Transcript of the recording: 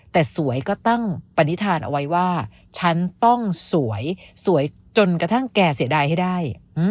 แต่สวยก็ตั้งปณิธานเอาไว้ว่าฉันต้องสวยสวยจนกระทั่งแกเสียดายให้ได้